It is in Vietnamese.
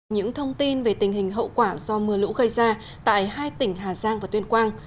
những thông tin về tình hình hậu quả do mưa lũ gây ra tại hai tỉnh hà giang và tuyên quang